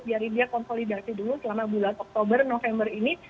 biar dia konsolidasi dulu selama bulan oktober november ini